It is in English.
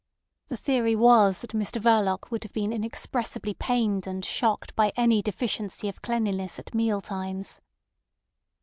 The theory was that Mr Verloc would have been inexpressibly pained and shocked by any deficiency of cleanliness at meal times.